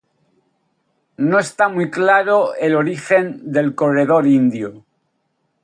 No está muy claro el origen del corredor indio.